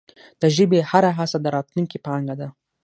د ژبي هره هڅه د راتلونکې پانګه ده.